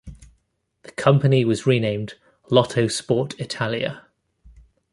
The company was renamed "Lotto Sport Italia".